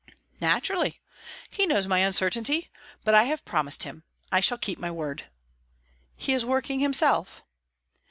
"Naturally. He knows my uncertainty. But I have promised him; I shall keep my word." "He is working himself?"